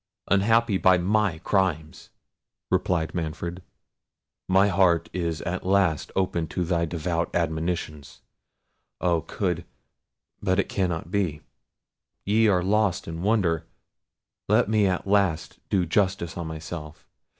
unhappy by my crimes!" replied Manfred, "my heart at last is open to thy devout admonitions. Oh! could—but it cannot be—ye are lost in wonder—let me at last do justice on myself!